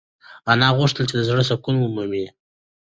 انا غوښتل چې د زړه سکون ومومي.